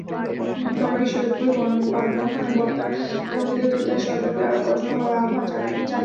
নীলফামারীর সৈয়দপুরে মানববন্ধনে বক্তারা জঙ্গিদের গ্রেপ্তারে সরকারকে আরও কঠোর হওয়ার আহ্বান জানিয়েছেন।